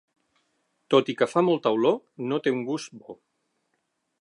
Tot i que fa molta olor, no té un gust bo.